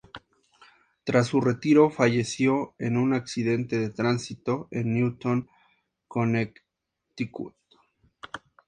Tras su retiro, falleció en un accidente de tránsito en Newtown, Connecticut.